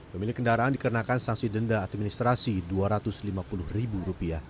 pemilik kendaraan dikenakan sanksi denda administrasi rp dua ratus lima puluh